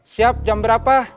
siap jam berapa